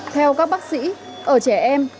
theo các bác sĩ ở trẻ em